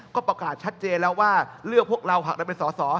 ก็ประกาศชัดเจนแล้วว่าเลือกพวกเราหักได้เป็นสอสอ